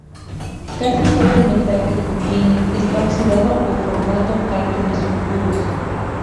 Casi todo el metal que contienen está oxidado o formando parte de sulfuros.